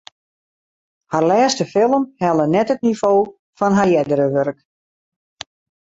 Har lêste film helle net it nivo fan har eardere wurk.